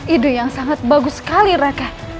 ide yang sangat bagus sekali raka